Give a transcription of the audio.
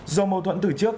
do mâu thuẫn từ trước